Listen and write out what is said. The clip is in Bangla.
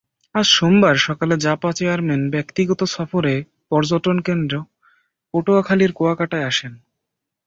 আজ সোমবার সকালে জাপা চেয়ারম্যান ব্যক্তিগত সফরে পর্যটনকেন্দ্র পটুয়াখালীর কুয়াকাটায় আসেন।